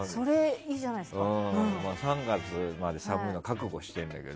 ３月まで寒いのは覚悟してるんだけど。